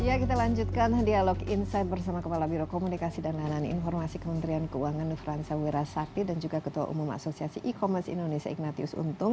ya kita lanjutkan dialog insight bersama kepala biro komunikasi dan lainan informasi kementerian keuangan nufransa wirasakti dan juga ketua umum asosiasi e commerce indonesia ignatius untung